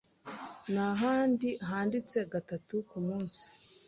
n'ahandi handitse gatatu ku munsi.